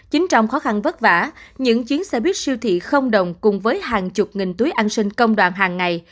chính trong khó khăn vất vả những chuyến xe buýt siêu thị không đồng cùng với hàng chục nghìn túi ăn sinh công đoàn hàng ngày